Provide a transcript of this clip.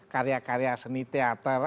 karya karya seni teater